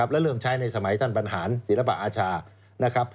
และเริ่มใช้ในสมัยท่านบรรหารศิลปะอาชานะครับ